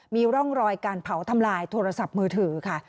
มีร่องรอยการเผาทำลายโทรศัพท์มือถือค่ะ